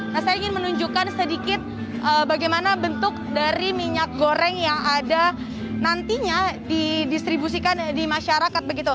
nah saya ingin menunjukkan sedikit bagaimana bentuk dari minyak goreng yang ada nantinya didistribusikan di masyarakat begitu